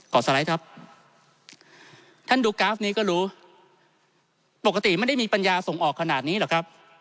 สไลด์ครับท่านดูกราฟนี้ก็รู้ปกติไม่ได้มีปัญญาส่งออกขนาดนี้หรอกครับ